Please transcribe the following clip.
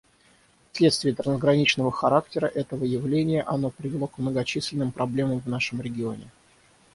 Вследствие трансграничного характера этого явления оно привело к многочисленным проблемам в нашем регионе.